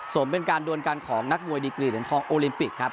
สมเป็นการดวนกันของนักมวยดีกรีเหรียญทองโอลิมปิกครับ